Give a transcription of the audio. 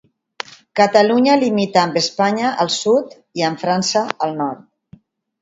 Catalunya limita amb Espanya al sud i amb França al nord.